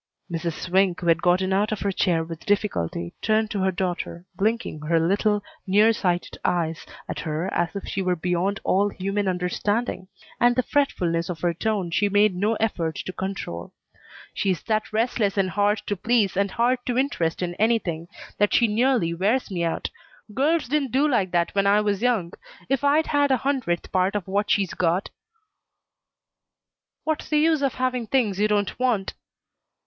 Mrs. Swink, who had gotten out of her chair with difficulty, turned to her daughter, blinking her little, near sighted eyes at her as if she were beyond all human understanding; and the fretfulness of her tone she made no effort to control. "She's that restless and hard to please and hard to interest in anything that she nearly wears me out. Girls didn't do like that when I was young. If I'd had a hundredth part of what she's got " "What's the use of having things you don't want?"